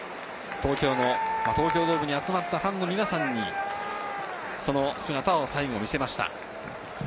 東京ドームに集まったファンの皆さんに、その姿を最後に見せました。